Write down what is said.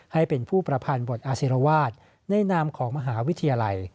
ให้เป็นผู้ประพันธ์บทอาศิรวาสในนามของมหาวิทยาลัย